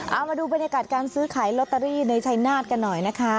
เอามาดูบรรยากาศการซื้อขายลอตเตอรี่ในชัยนาธกันหน่อยนะคะ